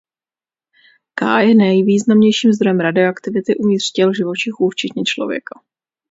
K je nejvýznamnější zdrojem radioaktivity uvnitř těl živočichů včetně člověka.